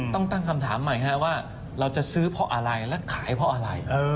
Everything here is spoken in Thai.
ตั้งคำถามใหม่ว่าเราจะซื้อเพราะอะไรและขายเพราะอะไร